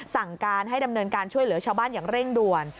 สั่งการให้ดำเนินการช่วยเหลือชาวบ้านอย่างเร่งด่วน